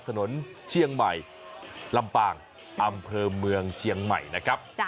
ถนนเชียงใหม่ลำปางอำเภอเมืองเชียงใหม่นะครับ